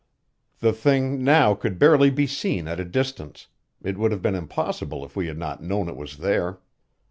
The thing now could barely be seen at a distance; it would have been impossible if we had not known it was there.